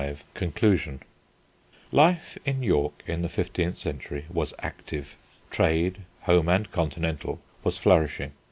CHAPTER V CONCLUSION Life in York in the fifteenth century was active. Trade, home and continental, was flourishing.